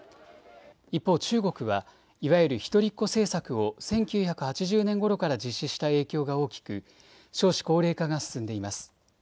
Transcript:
一方、中国はいわゆる一人っ子政策を１９８０年ごろから実施した影響が大きく少子高齢化が進んでいます。